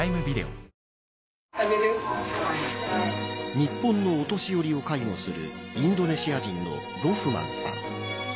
日本のお年寄りを介護するインドネシア人のロフマンさん